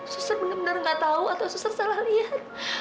suster benar benar nggak tahu atau suster salah lihat